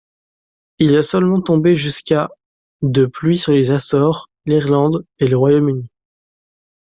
Il est seulement tombé jusqu'à de pluie sur les Açores, l'Irlande et le Royaume-Uni.